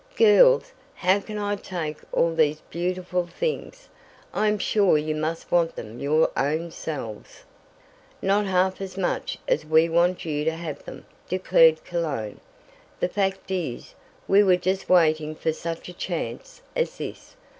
"Girls! How can I take all these beautiful things? I am sure you must want them your own selves " "Not half as much as we want you to have them," declared Cologne. "The fact is, we were just waiting for such a chance as this.